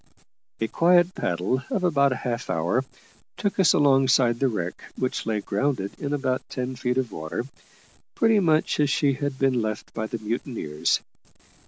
A quiet paddle of about half an hour took us alongside the wreck, which lay grounded in about ten feet of water, pretty much as she had been left by the mutineers.